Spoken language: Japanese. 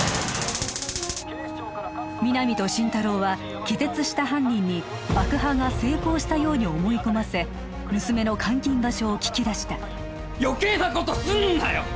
皆実と心太朗は気絶した犯人に爆破が成功したように思い込ませ娘の監禁場所を聞き出したよけいなことすんなよ！